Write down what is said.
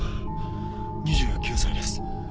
２９歳です。